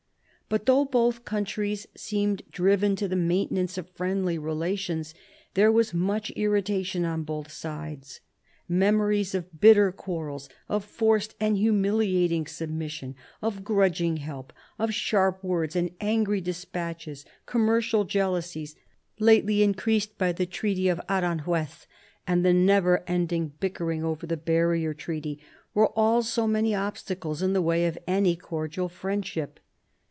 But though both countries seemed driven to the maintenance of friendly relations, there was much irritation on both sides. Memories of bitter quarrels, of forced and humiliating submission, of grudging help, of sharp words and angry despatches, commercial jealousies lately increased by the Treaty of Aranjuez, and the never ending bickering over the Barrier Treaty, were all so many obstacles in the way of any cordial friendship.